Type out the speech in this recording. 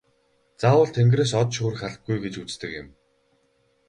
Заавал тэнгэрээс од шүүрэх албагүй гэж үздэг юм.